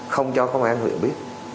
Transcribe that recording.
không cho công an huyện biết